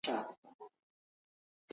سازمانونه کله د ډیپلوماسۍ اصول کاروي؟